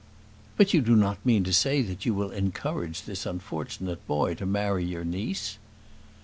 "But you do not mean to say that you will encourage this unfortunate boy to marry your niece?"